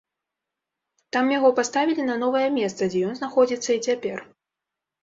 Там яго паставілі на новае месца, дзе ён знаходзіцца і цяпер.